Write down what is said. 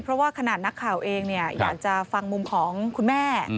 เพราะว่าขนาดนักข่าวเองอยากจะฟังมุมของคุณแม่